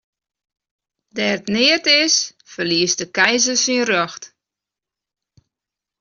Dêr't neat is, ferliest de keizer syn rjocht.